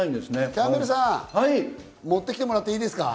キャンベルさん、持ってきてもらっていいですか？